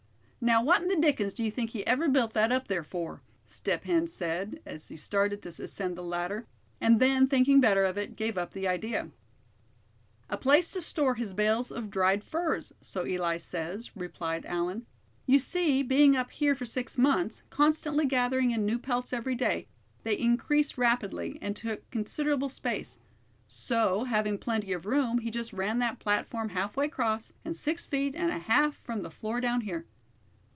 "Now, what in the dickens do you think he ever built that up there for?" Step Hen said, as he started to ascend the ladder; and then, thinking better of it, gave up the idea. "A place to store his bales of dried furs, so Eli says," replied Allan. "You see, being up here for six months, constantly gathering in new pelts every day, they increased rapidly, and took considerable space; so, having plenty of room, he just ran that platform half way across, and six feet and a half from the floor down here."